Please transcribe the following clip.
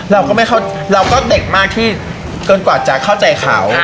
เราก็ไม่เข้าเราก็เด็กมากที่เกินกว่าจะเข้าใจเขา